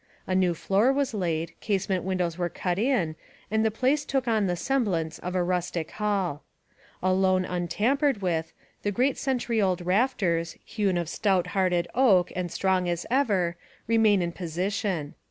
A new floor was laid, casement windows were cut in and the place took on the semblance of a rustic hall. Alone untam pered with, the great century old rafters, hewn of stout hearted oak and strong as ever, remain in posi tion.